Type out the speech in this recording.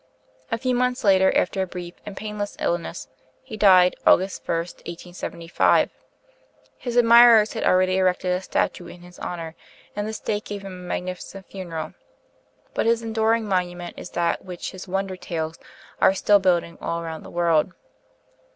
A few months later, after a brief and painless illness, he died, August 1st, 1875. His admirers had already erected a statue in his honor, and the State gave him a magnificent funeral; but his most enduring monument is that which his 'Wonder Tales' are still building all around the world.